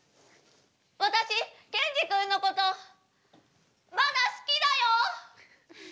私ケンジ君のことまだ好きだよ。